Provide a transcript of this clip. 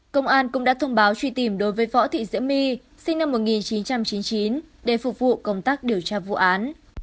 công an cũng đã thông báo truy tìm đối với võ thị diễm my sinh năm một nghìn chín trăm chín mươi chín để phục vụ công tác điều tra vụ án